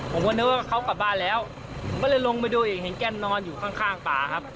ผมก็นึกว่าเขากลับบ้านแล้วก็เลยลงไปดูอีกเห็นแกนนอนอยู่ข้างป่าครับ